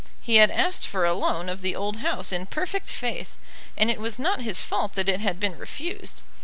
He had asked for a loan of the old house in perfect faith, and it was not his fault that it had been refused.